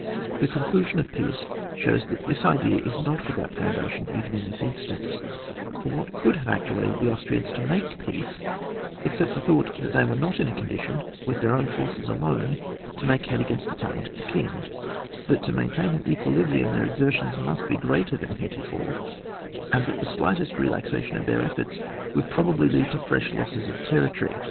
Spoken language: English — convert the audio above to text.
The conclusion of peace shows that this idea is not without foundation even in this instance; for what could have actuated the Austrians to make peace except the thought that they were not in a condition with their own forces alone to make head against the talent of the king; that to maintain an equilibrium their exertions must be greater than heretofore, and that the slightest relaxation of their efforts would probably lead to fresh losses of territory.